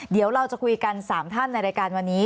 เดี๋ยวเราจะคุยกัน๓ท่านในรายการวันนี้